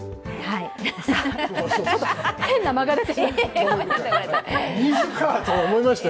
変な間が出てしまいました。